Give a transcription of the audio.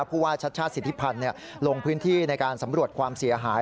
ผู้ว่าชัดชาติสิทธิพันธ์ลงพื้นที่ในการสำรวจความเสียหาย